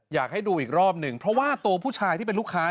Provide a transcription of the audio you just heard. อยากให้ดูอีกรอบหนึ่งเพราะว่าตัวผู้ชายที่เป็นลูกค้า